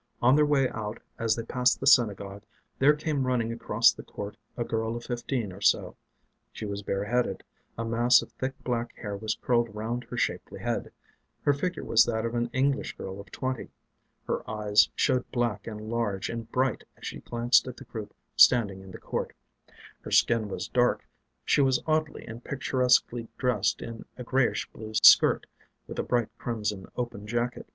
On their way out, as they passed the synagogue, there came running across the court a girl of fifteen or so. She was bareheaded; a mass of thick black hair was curled round her shapely head; her figure was that of an English girl of twenty; her eyes showed black and large and bright as she glanced at the group standing in the court; her skin was dark; she was oddly and picturesquely dressed in a grayish blue skirt, with a bright crimson open jacket.